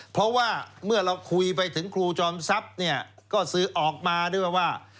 เพราะว่าเมื่อเราคุยไปถึงครูจอมทรัพย์เนี่ยก็สื่อออกมาด้วยว่า